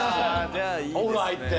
お風呂入って？